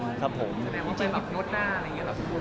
แสดงว่าเป็นแบบนวดหน้าอะไรอย่างนี้หรือ